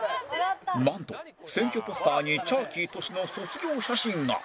なんと選挙ポスターにチャーキートシの卒業写真が